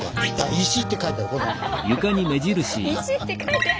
「石」って書いてあります。